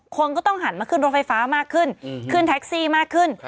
คนก็ต้องหันมาขึ้นรถไฟฟ้ามากขึ้นขึ้นแท็กซี่มากขึ้น